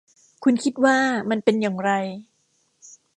คุณคิดว่ามันเป็นอย่างไร